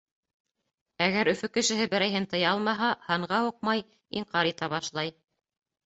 Әгәр Өфө кешеһе берәйһен тыя алмаһа, һанға һуҡмай, инҡар итә башлай.